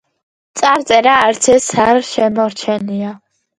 წარწერა არც ერთს არ შემორჩენია.